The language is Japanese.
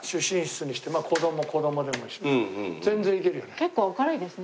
結構明るいですね